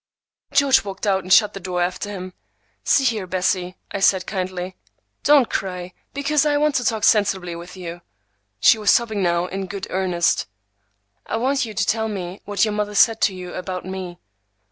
George walked out and shut the door after him. "See here, Bessie," I said kindly, "don't cry, because I want to talk sensibly with you." She was sobbing now in good earnest. "I want you to tell me what your mother said to you about me."